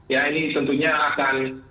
ya ini tentunya akan